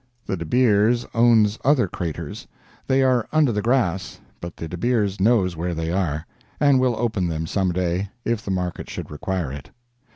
The De Beers owns other craters; they are under the grass, but the De Beers knows where they are, and will open them some day, if the market should require it.